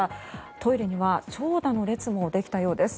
トイレには長蛇の列もできたようです。